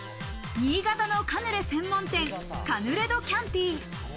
新潟のカヌレ専門店、カヌレドキャンティ。